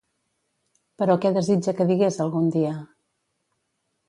Però què desitja que digués algun dia?